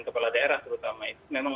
kepala daerah terutama itu memang